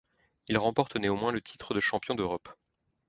Il remporte néanmoins le titre de champion d'Europe.